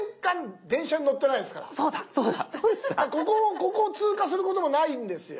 ここを通過することもないんですよ。